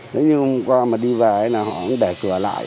nếu như hôm qua mà đi về thì họ cũng để cửa lại